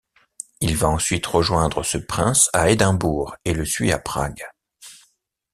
Il va ensuite rejoindre ce prince à Édimbourg et le suit à Prague.